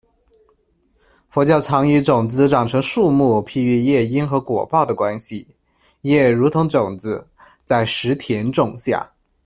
佛教常以种子长成树木譬喻业因和果报的关系，业如同种子，在识田种下。